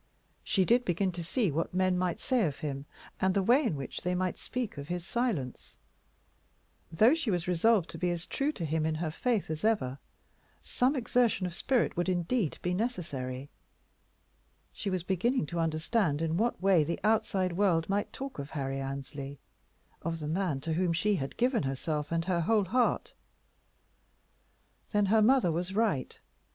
She did begin to see what men might say of him, and the way in which they might speak of his silence, though she was resolved to be as true to him in her faith as ever. Some exertion of spirit would, indeed, be necessary. She was beginning to understand in what way the outside world might talk of Harry Annesley, of the man to whom she had given herself and her whole heart. Then her mother was right.